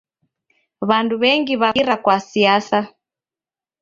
W'andu w'engi w'akungira kwa siasa.